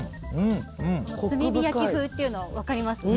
炭火焼き風というのが分かりますね。